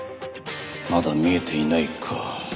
まだ見えていないか。